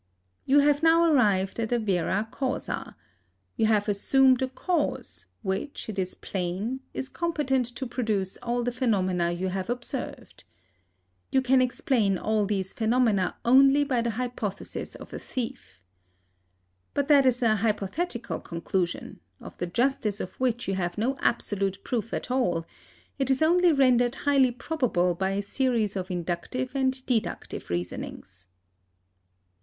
You have now arrived at a vera causa; you have assumed a cause which, it is plain, is competent to produce all the phenomena you have observed. You can explain all these phenomena only by the hypothesis of a thief. But that is a hypothetical conclusion, of the justice of which you have no absolute proof at all; it is only rendered highly probable by a series of inductive and deductive reasonings.